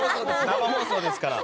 生放送ですから。